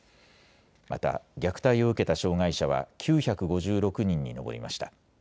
また、虐待を受けた障害者は９５６人に上りました。